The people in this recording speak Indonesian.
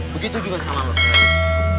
begitu juga sama lu